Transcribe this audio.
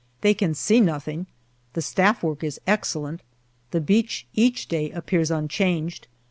They can see nothing. The Staff work is excellent. The beach each day appears unchanged.